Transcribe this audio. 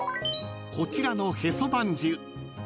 ［こちらのへそまんじゅう